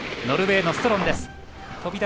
ノルウェーのストロン。